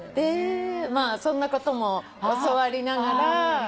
まあそんなことも教わりながら。